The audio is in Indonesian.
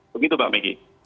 begitu mbak meki